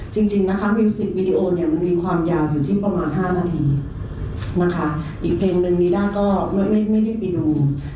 จริงนะคะมิวสิกวิดีโอเนี่ยมันมีความยาวอยู่ที่ประมาณ๕นาทีนะคะอีกเพลงหนึ่งวีด้าก็ไม่ได้ไปดู